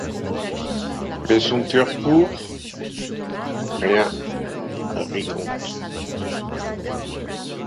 Mais son cceur pour. rien rie-compte